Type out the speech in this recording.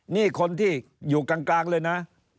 นี่คนที่อยู่กลางเลยนะ